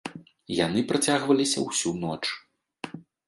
Яны працягваліся ўсю ноч.